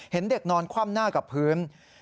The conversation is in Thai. เห็นเด็กนอนคว่ำหน้ากับพื้น